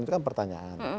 itu kan pertanyaan